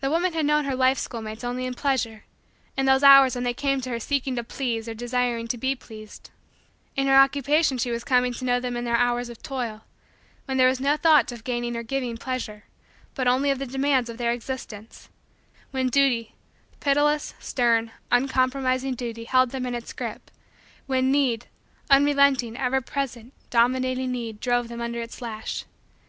The woman had known her life schoolmates only in pleasure in those hours when they came to her seeking to please or desiring to be pleased. In her Occupation she was coming to know them in their hours of toil, when there was no thought of gaining or giving pleasure, but only of the demands of their existence; when duty, pitiless, stern, uncompromising, duty held them in its grip; when need, unrelenting, ever present, dominating need, drove them under its lash.